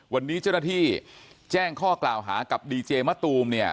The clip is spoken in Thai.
วันนี้เจ้าหน้าที่แจ้งข้อกล่าวหากับดีเจมะตูมเนี่ย